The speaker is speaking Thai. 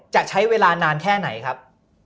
จะใช้เวลานานแค่ไหนครับ